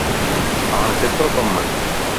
ھاڻ ڪيترو ڪمَ؟